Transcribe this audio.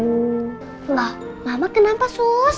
wah mama kenapa sus